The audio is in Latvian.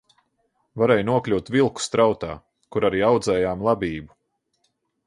Varēja nokļūt Vilku strautā, kur arī audzējām labību.